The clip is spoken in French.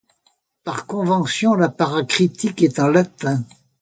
Par convention, l'apparat critique est en latin.